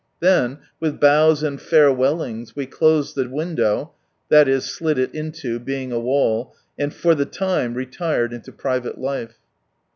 Then with bows and farewellings we closed the window, (i.e., slid it into, being a wall,) and for the time, retired into private life.